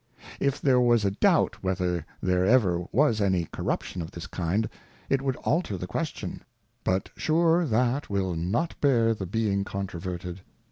If there was a doubt whether there ever was any Corruption of this kind it would alter the Question ; but sure that will not bear the being controverted.